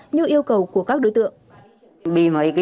như yêu cầu của các đối tượng